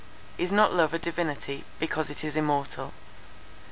Is not love a divinity, because it is immortal?